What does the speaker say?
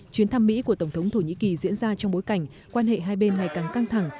chuyến thăm mỹ của tổng thống thổ nhĩ kỳ diễn ra trong bối cảnh quan hệ hai bên ngày càng căng thẳng